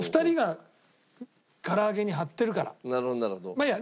まあいいや。